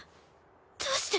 どうして。